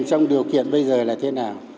trong điều kiện bây giờ là thế nào